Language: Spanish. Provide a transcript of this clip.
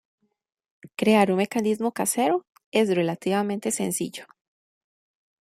Crear un mecanismo casero es relativamente sencillo.